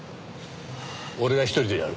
俺が一人でやる。